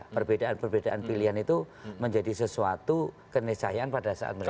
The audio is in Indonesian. perbedaan perbedaan pilihan itu menjadi sesuatu kenisayaan pada saat mereka